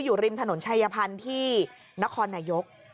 อยู่ริมถนนชายพันธุ์ที่นครนายก